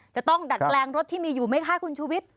จะต้องดัดแปลงรถที่มีอยู่ไหมคะคุณชุวิต